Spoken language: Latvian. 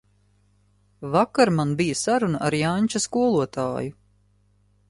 Vakar man bija saruna ar Janča skolotāju.